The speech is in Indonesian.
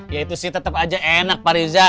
ya itu sih tetep aja enak pak riza